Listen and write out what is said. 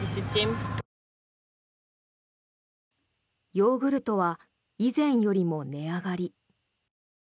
ヨーグルトは以前よりも値上がり。